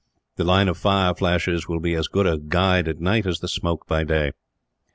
The line of fire flashes will be as good a guide, at night, as the smoke by day."